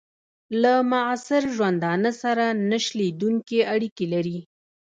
له معاصر ژوندانه سره نه شلېدونکي اړیکي لري.